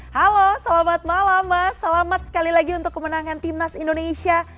halo selamat malam mas selamat sekali lagi untuk kemenangan timnas indonesia